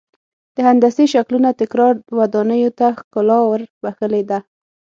د هندسي شکلونو تکرار ودانیو ته ښکلا ور بخښلې ده.